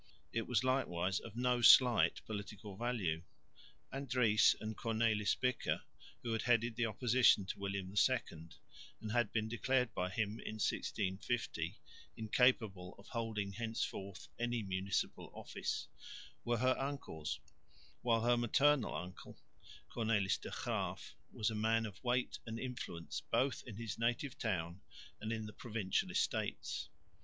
It was likewise of no slight political value. Andries and Cornelis Bicker, who had headed the opposition to William II and had been declared by him in 1650 incapable of holding henceforth any municipal office, were her uncles; while her maternal uncle, Cornelis de Graeff, was a man of weight and influence both in his native town and in the Provincial Estates.